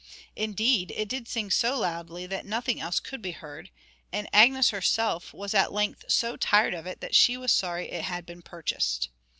Indeed, it did sing so loudly that nothing else could be heard, and Agnes herself was at length so tired of it that she was sorry it had been purchased.